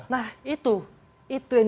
nah itu itu yang